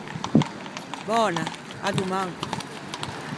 Böna, à doman!